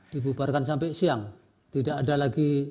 dibubarkan sampai siang tidak ada lagi